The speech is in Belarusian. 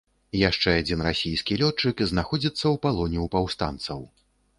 Яшчэ адзін расійскі лётчык знаходзіцца ў палоне ў паўстанцаў.